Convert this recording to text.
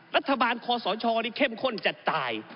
รัฐบาลคอสรชอร์นี่เข้มข้นจัดตาย